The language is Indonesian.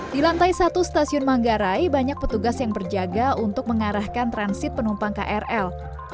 di lantai satu stasiun manggarai banyak petugas yang berjaga untuk mengarahkan transit penumpang krl